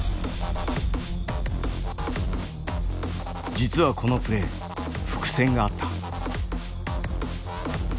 実はこのプレー伏線があった。